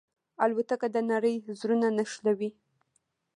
الوتکه د نړۍ زړونه نښلوي.